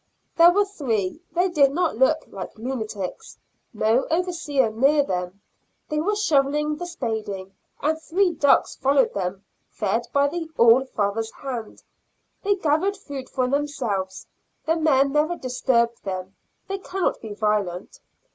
There were three; they did not look like lunatics, no overseer near them; they were shoveling or spading, and three ducks followed them. Fed by the All Father's hand, they gather food for themselves; the men never disturb them; they cannot be violent.